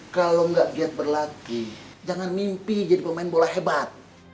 kalau nggak giat berlatih jangan mimpi jadi pemain bola hebat